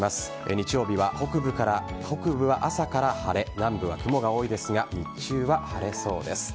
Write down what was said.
日曜日は、北部は朝から晴れ南部は雲が多いですが日中は晴れそうです。